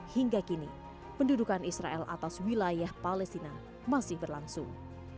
hingga kini pendudukan israel atas wilayah palestina masih berlangsung